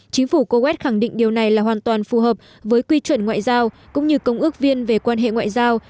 chính phủ coes khẳng định điều này là hoàn toàn phù hợp với quy chuẩn ngoại giao cũng như công ước viên về quan hệ ngoại giao